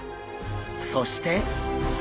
そして！